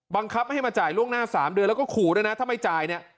บังคับให้มาจ่ายล่วงหน้า๓เดือนแล้วก็ขู่ด้วยนะถ้าไม่จ่ายเนี่ย